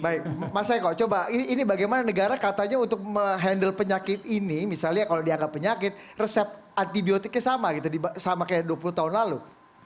baik mas eko coba ini bagaimana negara katanya untuk menghandle penyakit ini misalnya kalau dianggap penyakit resep antibiotiknya sama gitu sama kayak dua puluh tahun lalu